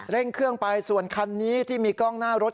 เร่งเครื่องไปส่วนคันนี้ที่มีกล้องหน้ารถ